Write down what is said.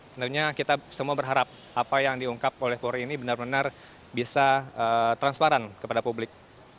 tentunya kita semua berharap apa yang diungkap oleh polri ini benar benar bisa transparan kepada publik